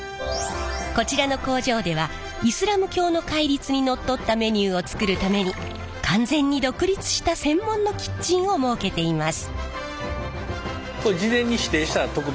こちらの工場ではイスラム教の戒律にのっとったメニューを作るために完全に独立した専門のキッチンを設けています。